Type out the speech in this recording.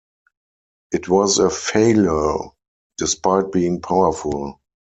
It was a failure despite being powerful.